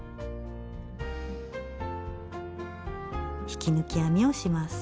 引き抜き編みをします。